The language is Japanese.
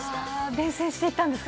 伝染していったんですか？